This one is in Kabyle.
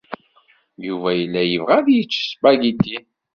Yuba yella yebɣa ad yečč aspagiti.